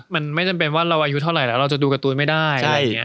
มันไม่จำเป็นว่าเราอายุเท่าไหร่แล้วเราจะดูการ์ตูนไม่ได้อะไรอย่างนี้